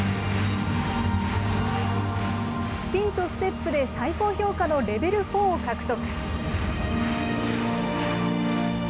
スピンとステップで最高評価のレベル４を獲得。